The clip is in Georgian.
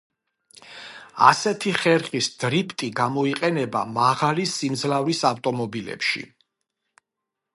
ასეთი ხერხის დრიფტი გამოიყენება მაღალი სიმძლავრის ავტომობილებში.